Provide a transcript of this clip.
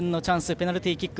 ペナルティーキック。